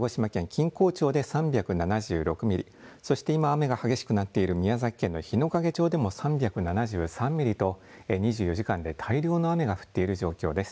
錦江町で３７６ミリ、そして今雨が激しくなっている宮崎県の日之影町でも３７３ミリと２４時間で大量の雨が降っている状況です。